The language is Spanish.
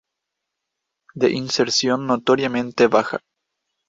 De inserción notoriamente baja.